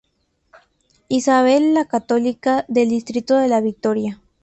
Isabel La Católica, del distrito de La Victoria.